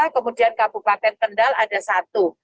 kemudian kabupaten kendal ada satu